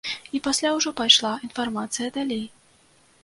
І пасля ўжо пайшла інфармацыя далей.